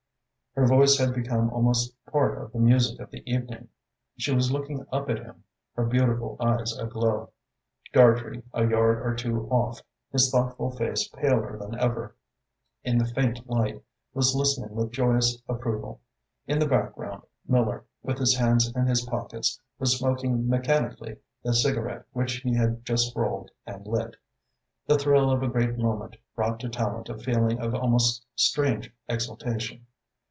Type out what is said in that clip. Her voice had become almost part of the music of the evening. She was looking up at him, her beautiful eyes aglow. Dartrey, a yard or two off, his thoughtful face paler than ever in the faint light, was listening with joyous approval. In the background, Miller, with his hands in his pockets, was smoking mechanically the cigarette which he had just rolled and lit. The thrill of a great moment brought to Tallente a feeling of almost strange exaltation.